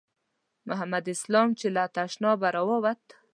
محمد اسلام چې له تشنابه راووت.